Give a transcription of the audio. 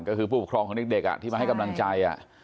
ก็คือผู้ปกครองของเด็กที่มาให้กำลังใจ